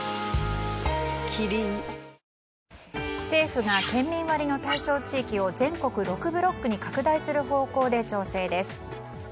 政府が県民割の対象地域を全国６ブロックに拡大する方向で調整です。